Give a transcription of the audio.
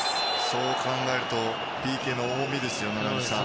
そう考えるとＰＫの重みですね、名波さん。